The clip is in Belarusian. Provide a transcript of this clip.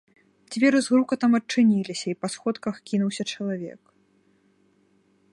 Дзверы з грукатам адчыніліся, і па сходках кінуўся чалавек.